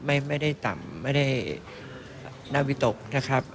ไม่ได้ต่ำไม่ได้น่าวิตกนะครับ